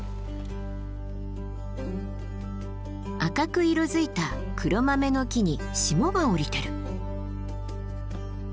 赤く色づいたクロマメノキに霜が降りてる。